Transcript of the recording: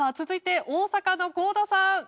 続いて大阪の香田さん。